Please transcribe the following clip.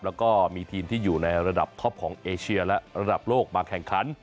แล้วก็มีทีมที่อยู่ในระดับท็อปของเอเชียและระดับโลกมาแข่งขัน